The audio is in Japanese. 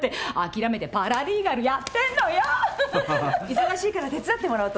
忙しいから手伝ってもらおうと思って。